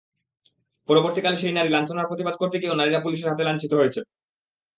পরবর্তীকালে সেই নারী লাঞ্ছনার প্রতিবাদ করতে গিয়েও নারীরা পুলিশের হাতে লাঞ্ছিত হয়েছেন।